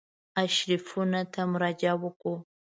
آرشیفونو ته مراجعه وکړو.